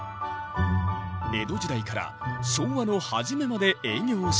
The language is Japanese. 江戸時代から昭和のはじめまで営業していた。